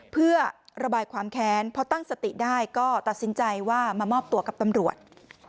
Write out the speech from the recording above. เพื่อระบายความแค้นพอตั้งสติได้ก็ตัดสินใจว่ามามอบตัวกับตำรวจ